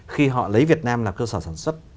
khi họ lấy việt nam là cơ sở sản xuất